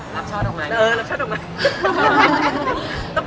รับชอบดอกไม้